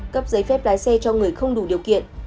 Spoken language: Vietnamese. cấp giấy phép lái xe cho người không đủ điều kiện